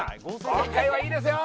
今回はいいですよ